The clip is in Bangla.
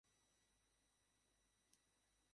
মা তো বিশাল!